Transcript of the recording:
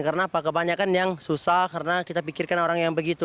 karena apa kebanyakan yang susah karena kita pikirkan orang yang begitu